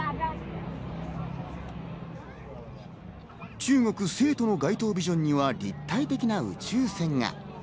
中国・成都の街頭ビジョンには立体的な宇宙船が。